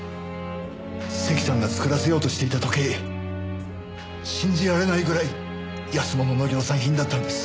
関さんが作らせようとしていた時計信じられないぐらい安物の量産品だったんです。